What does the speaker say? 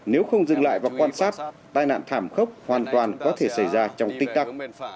nếu không dừng lại và quan sát tai nạn thảm khốc hoàn toàn có thể xảy ra trong tích tắc